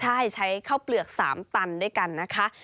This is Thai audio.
ใช่ใช้ข้าวเปลือก๓ตันด้วยกันนะคะ